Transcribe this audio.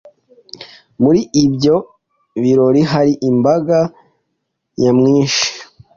Muri ibyo birori hari imbaga nyamwinshi.